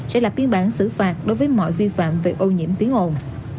sẽ lập biên bản xử phạt đối với mọi vi phạm về ô nhiễm tiếng ồn